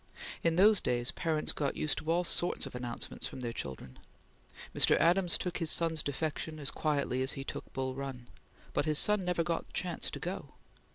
In those days, parents got used to all sorts of announcements from their children. Mr. Adams took his son's defection as quietly as he took Bull Run; but his son never got the chance to go.